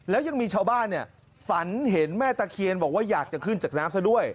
แล้วยังมีชาวบ้านเนี่ยฝันเห็นแม่ตะเคียนบอกว่าอยากจะขึ้นจากน้ำซะด้วย